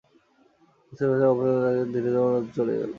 কচুরিভাজা অসমাপ্ত রাখিয়া ধীরে ধীরে অন্যত্র চলিয়া গেল।